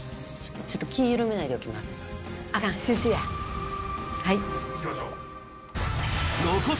ちょっと気緩めないでおきます。